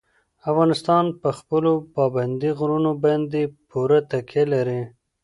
افغانستان په خپلو پابندي غرونو باندې پوره تکیه لري.